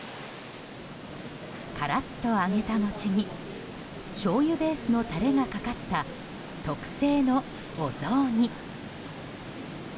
カラッと揚げた餅にしょうゆベースのタレがかかった特製のお雑煮。